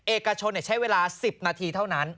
เอกชนใช้เวลา๑๐นาทีเท่านั้น